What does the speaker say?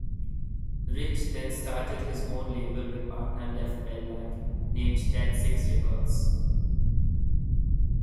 Rich then started his own label with partner Lev Berlak, named Ten-Six Records.